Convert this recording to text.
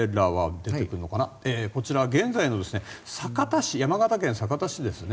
こちら、現在の山形県酒田市ですね。